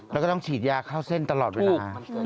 แล้วก็ต้องฉีดยาเข้าเส้นตลอดเวลา